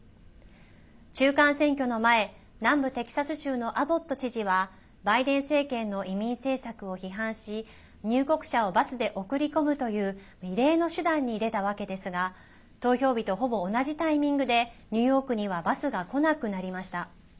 中間選挙の前南部テキサス州のアボット知事はバイデン政権の移民政策を批判し入国者をバスで送り込むという異例の手段に出たわけですが投票日と、ほぼ同じタイミングでニューヨークにはバスが来なくなりました。